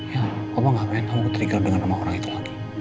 ya kok pak gak pengen kamu ketrigal dengan nama orang itu lagi